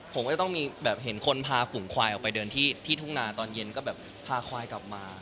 ผมก็จะต้องมีแบบเห็นคนพาฝุงควายออกไปเดินที่ทุ่งนาตอนเย็นก็แบบพาควายกลับมา